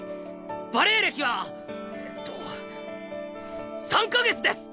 バレエ歴はえっと３か月です。